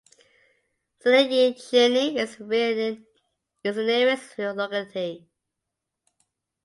Nizhniye Cherni is the nearest rural locality.